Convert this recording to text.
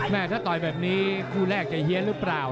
ถ้าต่อยแบบนี้คู่แรกจะเฮียนหรือเปล่า